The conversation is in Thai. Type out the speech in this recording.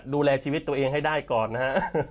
ดูแลชีวิตตัวเองให้ได้ก่อนนะฮะ